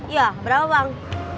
iya berapa bang